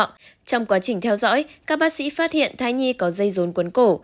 trong quá trình theo dõi các bác sĩ phát hiện thai nhi có dây rốn cuốn cổ